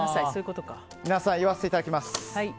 皆さん、言わせていただきます。